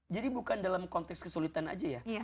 jadi bukan dalam konteks kesulitan aja ya